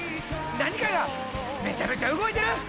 何かがめっちゃめちゃ動いてる！